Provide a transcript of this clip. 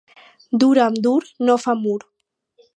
Dur amb dur no fa mur.